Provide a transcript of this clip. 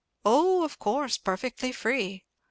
"Oh! of course; perfectly free."